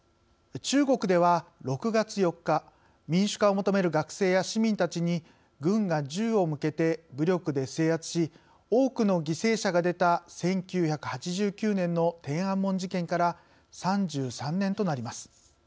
中国では６月４日民主化を求める学生や市民たちに軍が銃を向けて武力で制圧し多くの犠牲者が出た１９８９年の天安門事件から３３年となります。